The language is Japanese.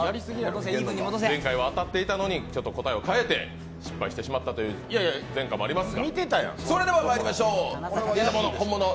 前回は当たっていたのに答えを変えて失敗してしまった前科もありますが。